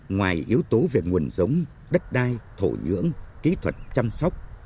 ngoài yếu tố về nguồn giống đất đai thổ nhưỡng kỹ thuật chăm sóc